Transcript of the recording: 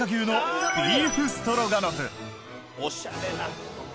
おしゃれな。